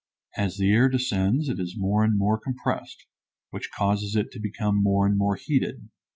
As the air descends it is more and more compressed, which causes it to become more and more heated.